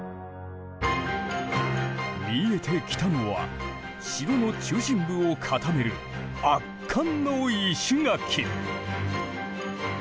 見えてきたのは城の中心部を固める圧巻の石垣。